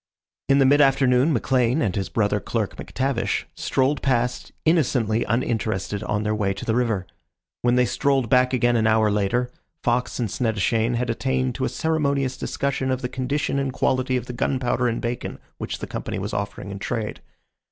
In the mid afternoon McLean and his brother clerk, McTavish, strolled past, innocently uninterested, on their way to the river. When they strolled back again an hour later, Fox and Snettishane had attained to a ceremonious discussion of the condition and quality of the gunpowder and bacon which the Company was offering in trade.